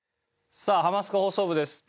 さあ『ハマスカ放送部』です。